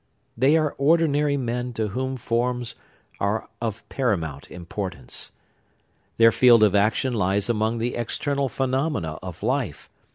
They are ordinarily men to whom forms are of paramount importance. Their field of action lies among the external phenomena of life.